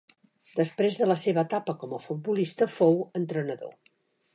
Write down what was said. Després de la seva etapa com a futbolista fou entrenador.